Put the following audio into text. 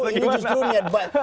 ini justru niat baik